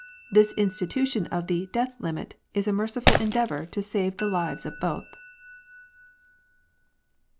This institution of the * death limit ' is a merciful endeavour to save the lives of both."